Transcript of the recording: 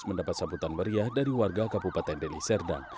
mendapat sambutan meriah dari warga kabupaten deli serdang